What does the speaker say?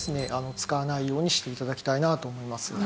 使わないようにして頂きたいなと思います。